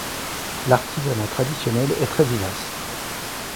L'artisanat traditionnel est très vivace.